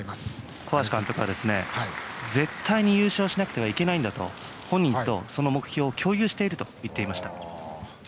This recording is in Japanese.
小橋監督は絶対に優勝しなくちゃいけないんだと本人とその目標を共有していると言っていました。